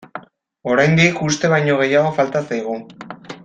Oraindik uste baino gehiago falta zaigu.